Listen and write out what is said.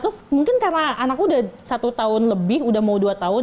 terus mungkin karena anakku udah satu tahun lebih udah mau dua tahun